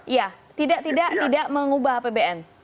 ya tidak tidak mengubah pbn